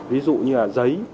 ví dụ như là giấy